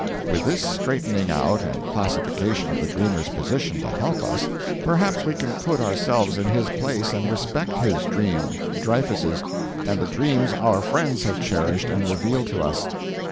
With this straightening out and classification of the dreamer's position to help us, perhaps we can put ourselves in his place and respect his dream Dreyfus's, and the dreams our friends have cherished and reveal to us.